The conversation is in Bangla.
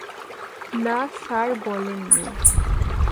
না স্যার, বলেননি।